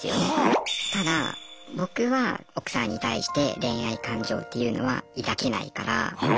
ただ僕は奥さんに対して恋愛感情っていうのは抱けないから。